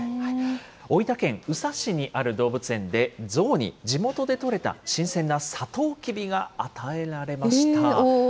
大分県宇佐市にある動物園で、ゾウに地元で取れた新鮮なさとうきびが与えられました。